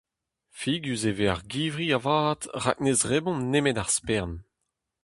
Figus e vez ar givri avat rak ne zebront nemet ar spern.